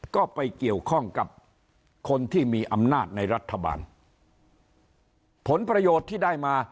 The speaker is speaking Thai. ก็ไปเกี่ยวข้องกับคนที่มีอำนาจในรัฐบาลผลประโยชน์ที่ได้มา